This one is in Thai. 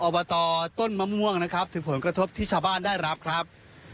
อบตต้นมะม่วงนะครับถึงผลกระทบที่ชาวบ้านได้รับครับ